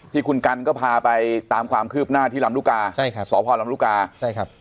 ที่คุณกันก็พาไปตามความคืบหน้าที่ลำลูกกาใช่ครับสพลำลูกกาใช่ครับ